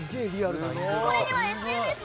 これにはＳＮＳも。